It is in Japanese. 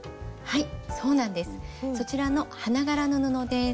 はいそうなんです。